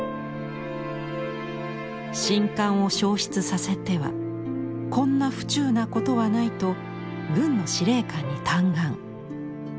「『宸翰』を焼失させてはこんな不忠なことはない」と軍の司令官に嘆願。